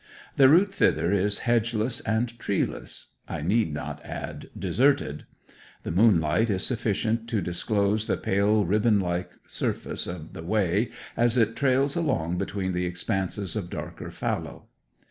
The route thither is hedgeless and treeless I need not add deserted. The moonlight is sufficient to disclose the pale riband like surface of the way as it trails along between the expanses of darker fallow.